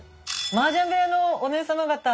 マージャン部屋のお姉様方。